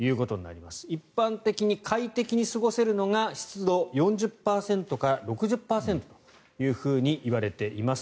一般的に快適に過ごせるのが湿度４０％から６０％といわれています。